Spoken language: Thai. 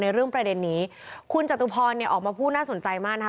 เรื่องประเด็นนี้คุณจตุพรเนี่ยออกมาพูดน่าสนใจมากนะคะ